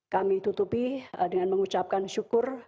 kami tutupi dengan mengucapkan syukur